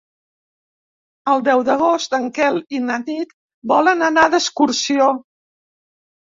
El deu d'agost en Quel i na Nit volen anar d'excursió.